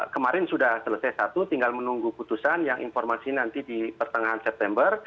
kemarin sudah selesai satu tinggal menunggu putusan yang informasi nanti di pertengahan september